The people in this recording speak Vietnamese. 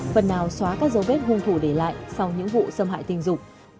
phần nào xóa các dấu vết hung thủ để lại sau những vụ xâm hại tình dục